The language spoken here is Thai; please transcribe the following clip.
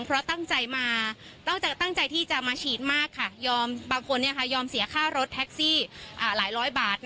เพราะตั้งใจที่จะมาฉีดมากบางคนยอมเสียค่ารถแท็กซี่หลายร้อยบาท